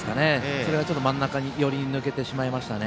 それが真ん中寄りに抜けてしまいましたね。